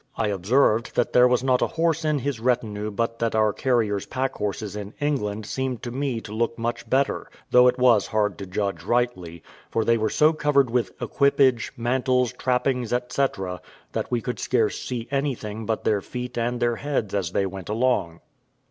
I observed that there was not a horse in his retinue but that our carrier's packhorses in England seemed to me to look much better; though it was hard to judge rightly, for they were so covered with equipage, mantles, trappings, &c., that we could scarce see anything but their feet and their heads as they went along.